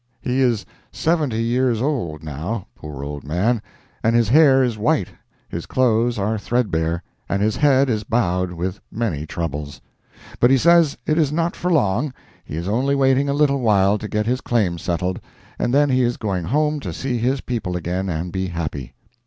He is seventy years old, now, poor old man, and his hair is white, his clothes are threadbare, and his head is bowed with many troubles. But he says it is not for long—he is only waiting a little while to get his claim settled, and then he is going home to see his people again and be happy.